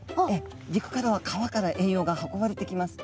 陸からは川から栄養が運ばれてきます。